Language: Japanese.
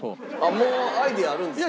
もうアイデアあるんですか？